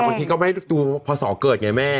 แต่บางทีก็ไม่ได้ดูพอศเกิดไงแม่